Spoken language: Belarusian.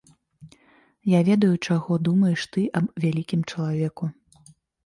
Я ведаю, чаго думаеш ты аб вялікім чалавеку.